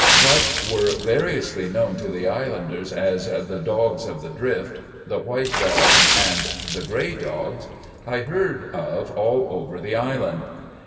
"What were variously known to the islanders as 'The Dogs of the Drift,' 'The White Dogs,' and 'The Gray Dogs,' I heard of all over the island.